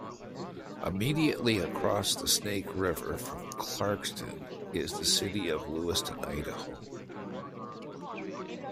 Immediately across the Snake River from Clarkston is the city of Lewiston, Idaho.